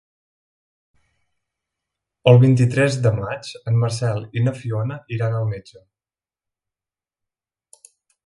El vint-i-tres de maig en Marcel i na Fiona iran al metge.